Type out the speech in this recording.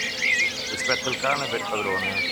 Rispetta il cane per il padrone.